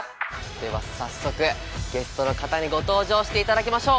では早速ゲストの方にご登場していただきましょう！